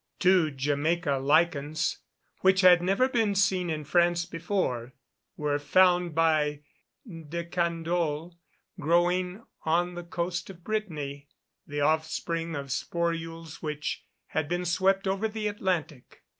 Two Jamaica lichens, which had never been seen in France before, were found by De Candolle growing on the coast of Brittany, the offspring of sporules which had been swept over the Atlantic.